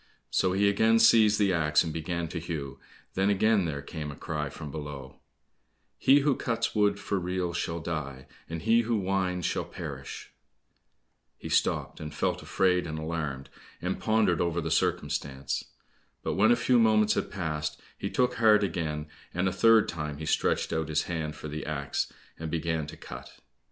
So he again seized the axe, and began to hew, then again there came a cry from below: "He who cuts wood for reels shall die, And he who winds, shall perish." He stopped, and felt afraid and alarmed, and pondered over the circumstance. But when a few moments had passed, he took heart again, and a third time he stretched out his hand for the axe, and began to cut.